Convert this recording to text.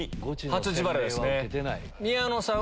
初自腹ですね。